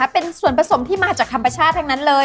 เป็นส่วนผสมที่มาจากธรรมชาติทั้งนั้นเลย